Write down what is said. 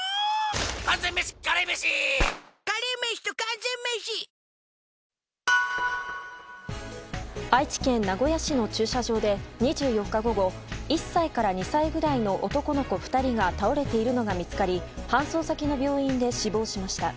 完全メシカレーメシカレーメシと完全メシ愛知県名古屋市の駐車場で２４日午後１歳から２歳ぐらいの男の子２人が倒れているのが見つかり搬送先の病院で死亡しました。